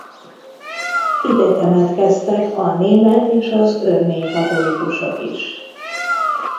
Ide temetkeztek a német és az örmény katolikusok is.